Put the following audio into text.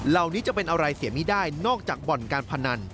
เหล่านี้จะเป็นอะไรเสียไม่ได้นอกจากบ่อนการพนัน